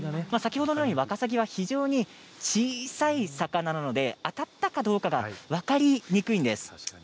先ほどのようにワカサギは非常に小さい魚なので当たったかどうかが分かりにくいんです。